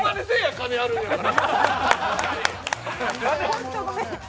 金あるんやから！